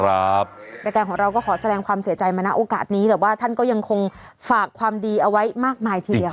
รายการของเราก็ขอแสดงความเสียใจมานะโอกาสนี้แต่ว่าท่านก็ยังคงฝากความดีเอาไว้มากมายทีเดียว